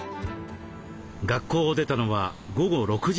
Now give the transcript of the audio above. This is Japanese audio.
学校を出たのは午後６時すぎ。